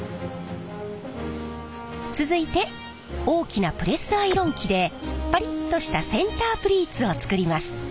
続いて大きなプレスアイロン機でパリッとしたセンタープリーツを作ります。